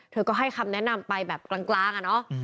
เธอก็ให้คำแนะนำไปแบบกลางอะเนาะ